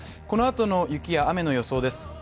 このあとの雪や雨の予想です。